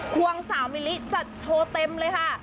ควง๓มิลลิตรจะโชว์เต็มเลยค่ะ